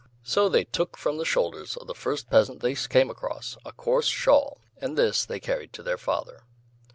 so they took from the shoulders of the first peasant they came across a coarse shawl, and this they carried to their father.